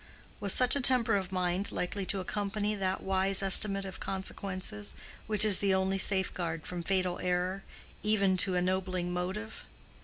Was such a temper of mind likely to accompany that wise estimate of consequences which is the only safeguard from fatal error, even to ennobling motive?